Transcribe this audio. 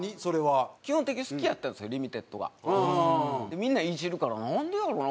みんなイジるからなんでやろな？